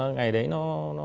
ngày đấy nó